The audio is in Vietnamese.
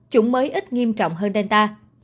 chủng mới ít nghiêm trọng hơn delta